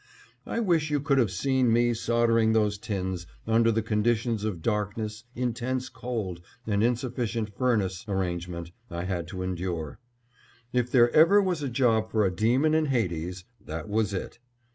I wish you could have seen me soldering those tins, under the conditions of darkness, intense cold, and insufficient furnace arrangement I had to endure. If there ever was a job for a demon in Hades, that was it.